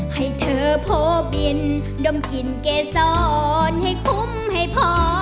ให้เธอโพบินดมกลิ่นเกษรให้คุ้มให้พอ